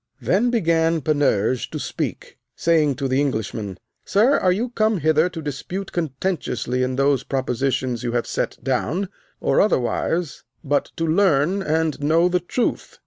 Then began Panurge to speak, saying to the Englishman, Sir, are you come hither to dispute contentiously in those propositions you have set down, or, otherwise, but to learn and know the truth?